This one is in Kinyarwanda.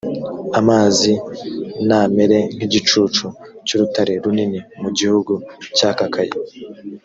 amazi n amere nk igicucu cy urutare runini mu gihugu cyakakaye